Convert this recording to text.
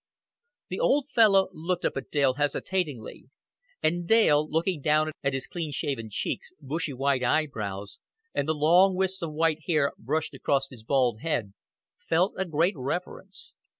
The old fellow looked up at Dale hesitatingly; and Dale, looking down at his clean shaven cheeks, bushy white eyebrows, and the long wisps of white hair brushed across his bald head, felt a great reverence.